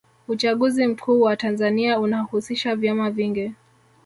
uchaguzi mkuu wa tanzania unahusisha vyama vingi